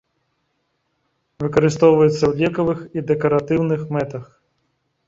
Выкарыстоўваюцца ў лекавых і дэкаратыўных мэтах.